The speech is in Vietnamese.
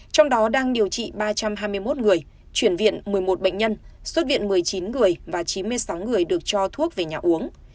trong đó đang điều trị ba trăm hai mươi một người chuyển viện một mươi một bệnh nhân xuất viện một mươi chín người và chín mươi sáu người được cho thuốc về nhà uống